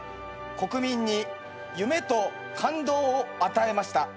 国民に夢と感動を与えました」